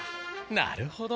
なるほど。